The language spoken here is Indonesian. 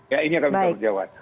ya ini pertanggung jawaban